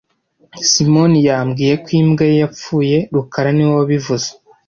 Simoni yambwiye ko imbwa ye yapfuye rukara niwe wabivuze